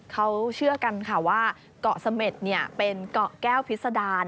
เขาเชื่อกันค่ะว่าเกาะเสม็ดเป็นเกาะแก้วพิษดาร